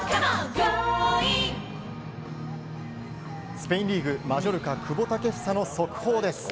スペインリーグマジョルカ、久保建英の速報です。